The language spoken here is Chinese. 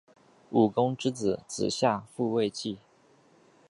武公之子邾子夏父继位。